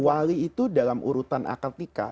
wali itu dalam urutan akad nikah